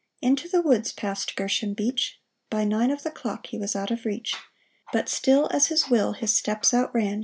Into the woods passed Gershom Beach ; By nine of the clock he was out of reach. But still, as his will his steps outran.